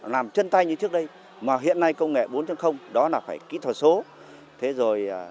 làm chân tay như trước đây mà hiện nay công nghệ bốn đó là phải kỹ thuật số